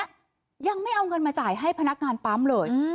ยังไม่เอาเงินมาจ่ายให้พนักงานปั๊มเลย